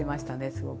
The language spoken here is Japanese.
すごく。